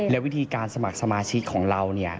และวิธีการสมัครสมาชิกของเราเนี่ย